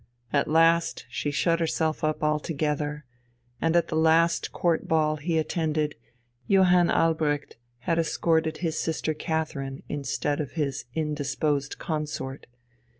At last she shut herself up altogether, and, at the last Court Ball he attended, Johann Albrecht had escorted his sister Catherine instead of his "indisposed Consort."